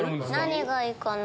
何がいいかな？